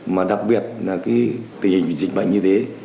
mà đặc biệt là cái tình hình dịch bệnh như thế